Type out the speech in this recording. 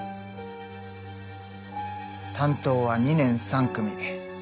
担当は２年３組。